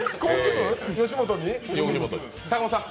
吉本に？